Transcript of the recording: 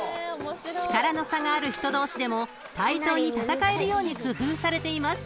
［力の差がある人同士でも対等に戦えるように工夫されています］